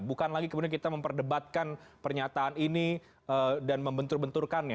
bukan lagi kemudian kita memperdebatkan pernyataan ini dan membentur benturkannya